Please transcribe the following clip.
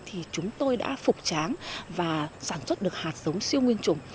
thì chúng tôi đã phục tráng và sản xuất được hạt giống siêu nguyên trùng